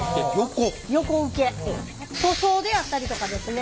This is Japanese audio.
塗装であったりとかですね